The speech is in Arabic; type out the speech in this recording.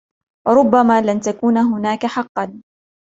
ربما لن تكون هناك حقا.